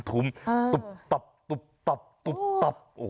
ตุ้มตุ๊บตับตุ๊บตับตุ๊บตับ